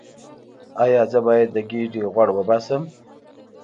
ایا زه باید د ګیډې غوړ وباسم؟